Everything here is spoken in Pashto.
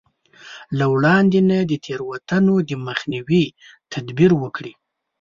له وړاندې نه د تېروتنو د مخنيوي تدبير وکړي.